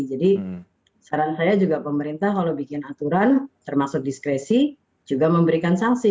jadi saran saya juga pemerintah kalau bikin aturan termasuk diskresi juga memberikan sanksi